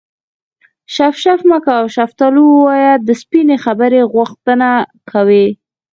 شف شف مه کوه شفتالو ووایه د سپینې خبرې غوښتنه کوي